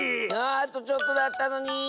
ああとちょっとだったのに。